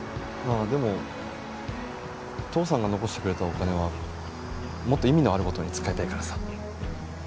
でも父さんが残してくれたお金はもっと意味のある事に使いたいからさ。